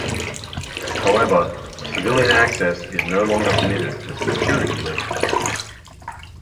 However, civilian access is no longer permitted for security reasons.